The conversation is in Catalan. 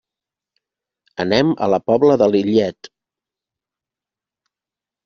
Anem a la Pobla de Lillet.